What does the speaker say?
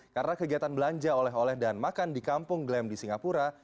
karena kegiatan belanja oleh oleh dan makan di kampung glam di singapura